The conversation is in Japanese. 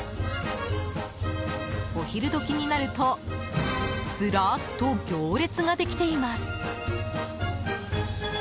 お昼時になるとずらーっと行列ができています。